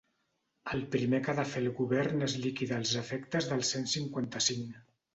El primer que ha de fer el govern és liquidar els efectes del cent cinquanta-cinc.